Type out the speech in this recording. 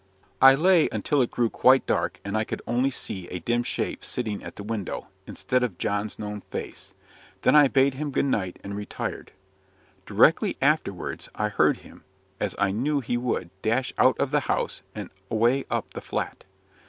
I lay until it grew quite dark, and I could only see a dim shape sitting at the window, instead of John's known face; then I bade him good night, and retired. Directly afterwards, I heard him, as I knew he would, dash out of the house, and away up the Flat.